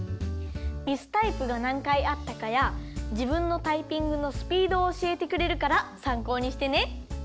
ミスタイプがなんかいあったかやじぶんのタイピングのスピードをおしえてくれるからさんこうにしてね。